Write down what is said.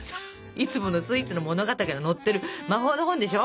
いつものスイーツの物語が載ってる魔法の本でしょ？